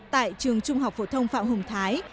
tại trường trung học phổ thông phạm hùng thái